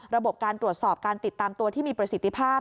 ระบบการตรวจสอบการติดตามตัวที่มีประสิทธิภาพ